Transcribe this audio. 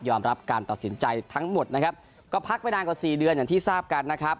รับการตัดสินใจทั้งหมดนะครับก็พักไปนานกว่าสี่เดือนอย่างที่ทราบกันนะครับ